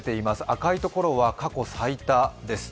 赤いところは過去最多です。